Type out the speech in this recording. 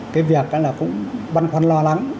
cái việc cũng băn khoăn lo lắng